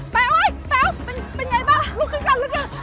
เห้ยหยัดมันเป็นไผล่ล่ะลงมา